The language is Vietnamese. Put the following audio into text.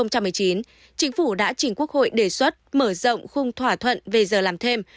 chính phủ đã chỉnh quốc hội đề xuất mở rộng khung thỏa thuận về giờ làm thêm